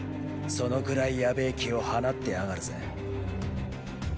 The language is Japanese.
そのくらいやべェ気を放ってやがるぜ。